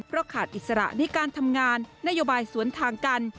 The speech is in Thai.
เพราะขาดอิสระในการทำงานนโยบายสวนทางกัน